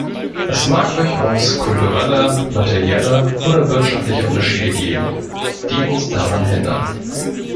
Es mag durchaus kulturelle, materielle oder wirtschaftliche Unterschiede geben, die uns daran hindern.